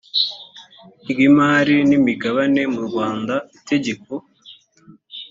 ry imari n imigabane mu rwanda itegeko